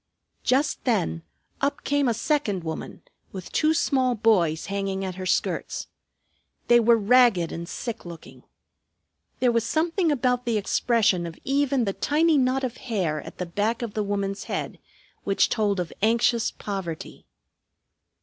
Just then up came a second woman with two small boys hanging at her skirts. They were ragged and sick looking. There was something about the expression of even the tiny knot of hair at the back of the woman's head which told of anxious poverty.